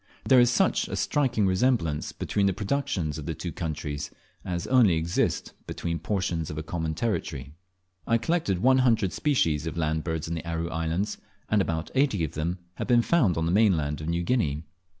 There is such a striking resemblance between the productions of the two countries as only exists between portions of a common territory. I collected one hundred species of land birds in the Aru Islands, and about eighty of them, have been found on the mainland of New Guinea.